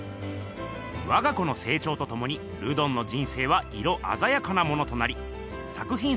わが子のせいちょうとともにルドンの人生は色あざやかなものとなり作ひん